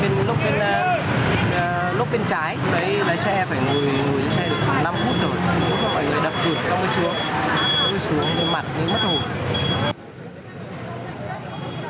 mọi người đập cửa ngồi xuống ngồi xuống ngồi mặt ngồi mất hồn